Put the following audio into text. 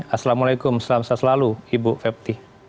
assalamualaikum selamat siang selalu ibu fepti